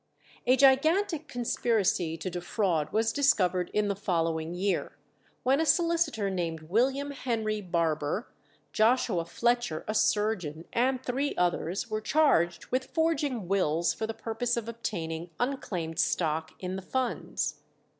A gigantic conspiracy to defraud was discovered in the following year, when a solicitor named William Henry Barber, Joshua Fletcher a surgeon, and three others were charged with forging wills for the purpose of obtaining unclaimed stock in the funds.